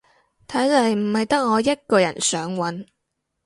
睇嚟唔係得我一個想搵